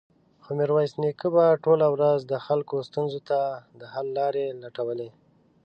خو ميرويس نيکه به ټوله ورځ د خلکو ستونزو ته د حل لارې لټولې.